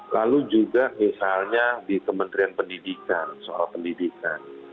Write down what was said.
lalu juga misalnya di kementerian pendidikan soal pendidikan